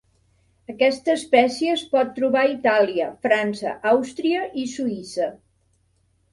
Aquesta espècie es pot trobar a Itàlia, França, Àustria, i Suïssa.